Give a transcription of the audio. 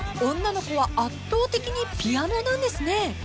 女の子は圧倒的にピアノなんですね。